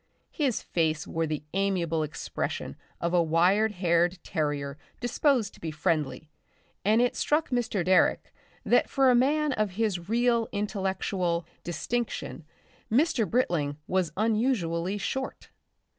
His face wore the amiable expression of a wire haired terrier disposed to be friendly, and it struck Mr. Direck that for a man of his real intellectual distinction Mr. Britling was unusually short.